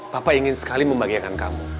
papa ingin sekali membahagiakan kamu